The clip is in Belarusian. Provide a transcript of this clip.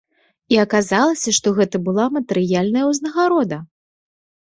І аказалася, што гэта была матэрыяльная ўзнагарода.